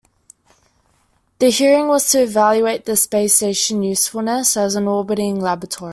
The hearing was to evaluate the space station's usefulness as an orbiting laboratory.